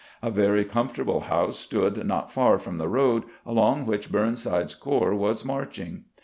A very comfortable house stood not far from the road along which Burnside's corps was marching.